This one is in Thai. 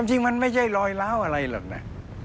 จริงมันไม่ใช่รอยล้าวอะไรหรอกนะ